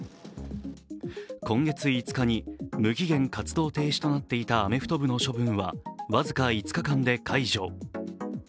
今月５日に無期限活動停止となっていたアメフト部の処分は僅か５日間で解除。